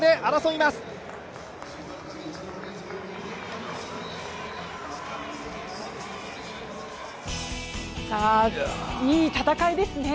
いい戦いですね。